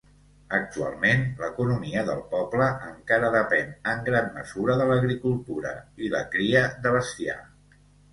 Actualment, l'economia del poble encara depèn en gran mesura de l'agricultura i la cria de bestiar.